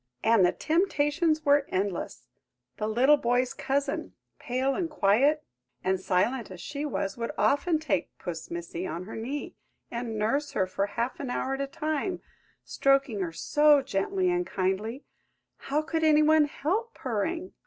And the temptations were endless. The little boy's cousin, pale, and quiet, and silent as she was, would often take Puss Missy on her knee, and nurse her for half an hour at a time, stroking her so gently and kindly–how could any one help purring?